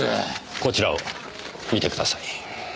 こちらを見てください。